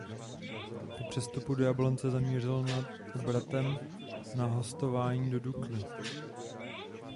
Po přestupu do Jablonce zamířil na obratem na hostování do Dukly.